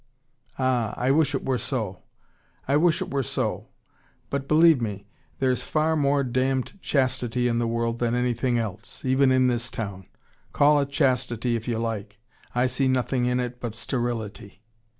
Ah, I wish it were so. I wish it were so. But, believe me, there's far more damned chastity in the world, than anything else. Even in this town. Call it chastity, if you like. I see nothing in it but sterility.